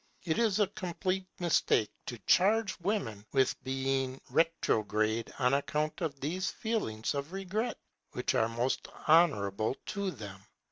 It is a complete mistake to charge women with being retrograde on account of these feelings of regret which are most honourable to them.